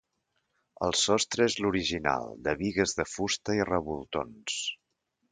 El sostre és l'original de bigues de fusta i revoltons.